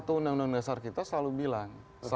satu undang undang dasar kita selalu bilang